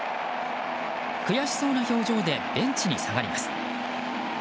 悔しそうな表情でベンチに下がります。